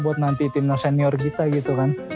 buat nanti timnas senior kita gitu kan